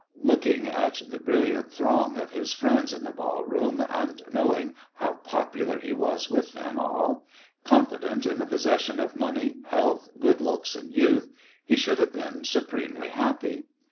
Looking at the brilliant throng of his friends [ HISS JONA^THAN 177 in the ball room, and knowing how popular be was with them all, confident in the poasession of money, Lealth, good looks, and youth, he ahonld have been supremely happy.